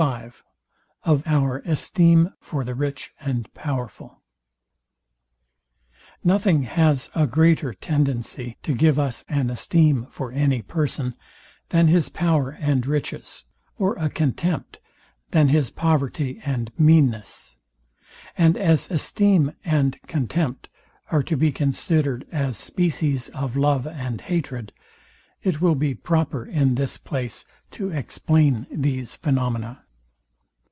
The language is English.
V OF OUR ESTEEM FOR THE RICH AND POWERFUL Nothing has a greater tendency to give us an esteem for any person, than his power and riches; or a contempt, than his poverty and meanness: And as esteem and contempt are to be considered as species of love and hatred, it will be proper in this place to explain these phaenomena.